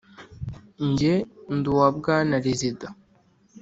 Jye ndi uwa bwana Rezida.